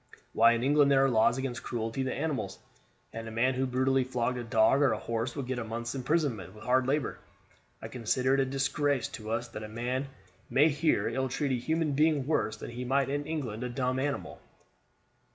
Why, in England there are laws against cruelty to animals; and a man who brutally flogged a dog or a horse would get a month's imprisonment with hard labor. I consider it a disgrace to us that a man may here ill treat a human being worse than he might in England a dumb animal."